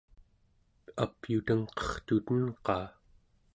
apyutengqertuten-qaa